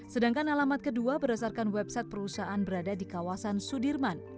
sedangkan alamat kedua berdasarkan website perusahaan berada di kawasan sudirman